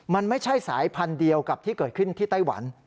มันไม่ใช่สายพันธุ์เดียวกับที่เกิดขึ้นที่ไต้หวัน